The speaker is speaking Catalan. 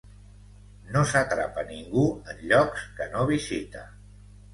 No s'atrapa ningú en llocs que no visita.